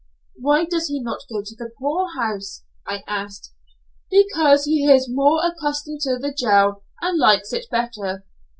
"Why does he not go to the poorhouse?" I asked. "Because he is more accustomed to the jail, and likes it better.